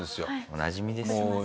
おなじみですよね。